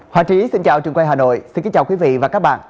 hòa trí xin chào trường quay hà nội xin kính chào quý vị và các bạn